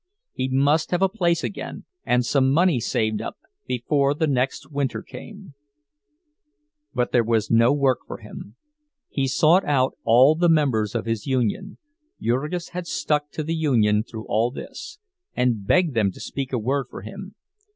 He must have a place again and some money saved up, before the next winter came. But there was no work for him. He sought out all the members of his union—Jurgis had stuck to the union through all this—and begged them to speak a word for him.